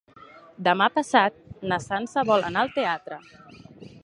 Demà passat na Sança vol anar al teatre.